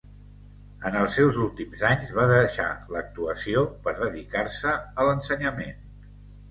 En els seus últims anys va deixar l'actuació per dedicar-se a l'ensenyament.